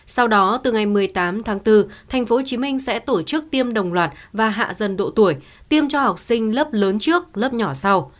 sau đó từ ngày một mươi tám tháng bốn tp hcm sẽ tổ chức tiêm đồng loạt và hạ dần độ tuổi tiêm cho học sinh lớp lớn trước lớp nhỏ sau